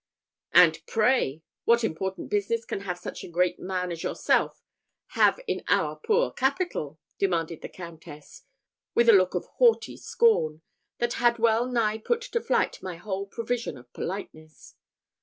"And pray, what important business can such a great man as yourself have in our poor capital?" demanded the Countess, with a look of haughty scorn, that had well nigh put to flight my whole provision of politeness.